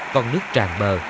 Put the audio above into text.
con nước tràn bờ